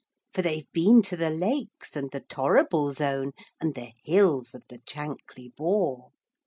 For they've been to the Lakes, and the Torrible Zone, And the hills of the Chankly Bore."